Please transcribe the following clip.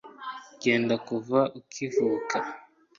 Genda kuva ukivuka guhinda umushyitsi